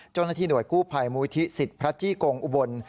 เจ้าหน้าที่หน่วยกู้ภัยมูลที่สิทธิ์พระจี้กงอุบล